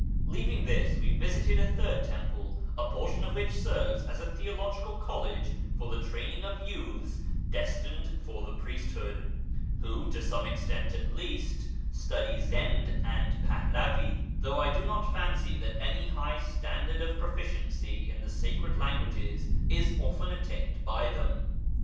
Leaving this, we visited a third temple, a i)orli(ni of which serves as a theological college for the training of youths destined for the priesthood, who, to some extent at least, study Zend and Pahlavi ; though I do not fancy that any high standard of proficiency in the sacred languages is often attained by them.